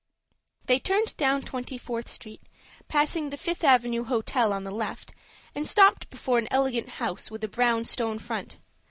They turned down Twenty fourth Street, passing the Fifth Avenue Hotel on the left, and stopped before an elegant house with a brown stone front.